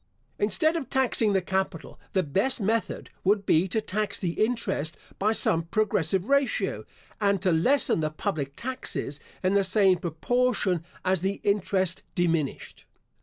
Instead of taxing the capital, the best method would be to tax the interest by some progressive ratio, and to lessen the public taxes in the same proportion as the interest diminished.